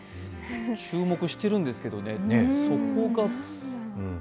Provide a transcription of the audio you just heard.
注目してるんですけどね。